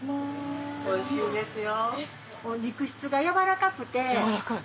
おいしいですよ。